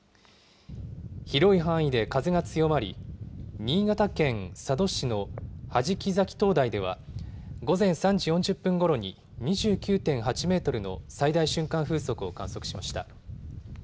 広い範囲で風が強まり新潟県佐渡市の弾崎灯台では午前３時４０分ごろに２９．８メートルの最大瞬間風速を観測しました。